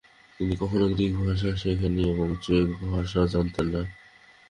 তিনি কখনও গ্রিক ভাষা শিখেননি এবং চেক ভাষাও জানতেন না।